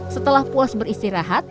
setelah puas beristirahat